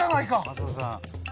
松尾さん。